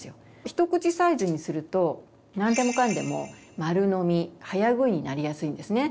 ひとくちサイズにすると何でもかんでも丸飲み早食いになりやすいんですね。